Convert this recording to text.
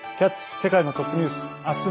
世界のトップニュース」。